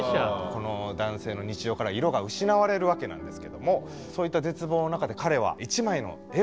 この男性の日常から色が失われるわけなんですけどもそういった絶望の中で彼は一枚の絵を描きます。